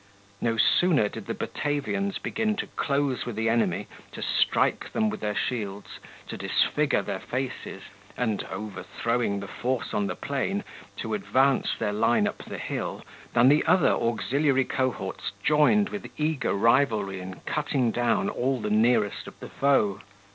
No sooner did the Batavians begin to close with the enemy, to strike them with their shields, to disfigure their faces, and overthrowing the force on the plain to advance their line up the hill, than the other auxiliary cohorts joined with eager rivalry in cutting down all the nearest of the foe.